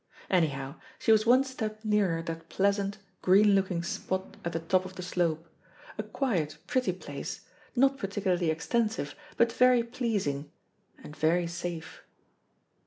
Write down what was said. Anyhow, she was one step nearer that pleasant, green looking spot at the top of the slope a quiet, pretty place, not particularly extensive, but very pleasing, and very safe.